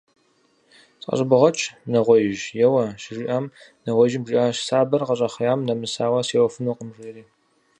– СӀэщӀыбогъэкӀ, нэгъуеижь, еуэ, – щыжиӀэм нэгъуеижьым жиӀащ: «Сабэр къыщыхъеям нэмысауэ сеуэфынукъым», – жери.